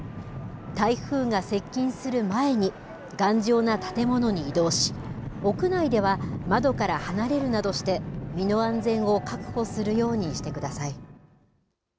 台風が接近する前に、頑丈な建物に移動し、屋内では窓から離れるなどして、身の安全を確保するようにしてく